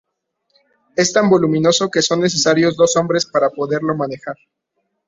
Es tan voluminoso que son necesarios dos hombres para poderlo manejar.